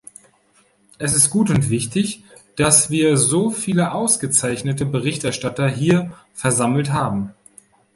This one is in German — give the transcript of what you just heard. Es ist gut und wichtig, dass wir so viele ausgezeichnete Berichterstatter hier versammelt haben.